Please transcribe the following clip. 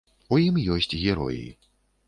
У ім ёсць героі.